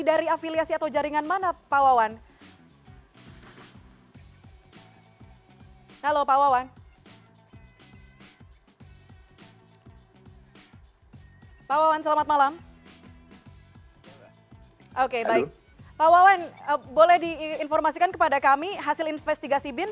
hasil bagian dari investigasi bin